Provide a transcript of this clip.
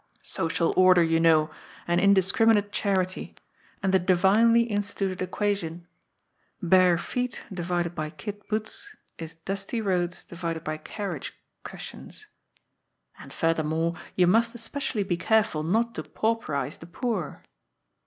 " Social order, you know, and indiscriminate chari ty. And the divinely instituted equation : Bare feet : Kid Boots = Dusty Beads : Carriage Cushions. And, further more, you must especially be careful not to pauperize the poor."